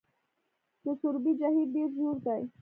د سروبي جهیل ډیر ژور دی